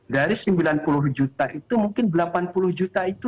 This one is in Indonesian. dari sembilan puluh juta itu mungkin delapan puluh juta itu